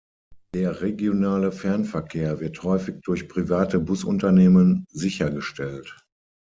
Der regionale Fernverkehr wird häufig durch private Busunternehmen sichergestellt.